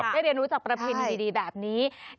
ได้เรียนรู้จากประเพณีดีแบบนี้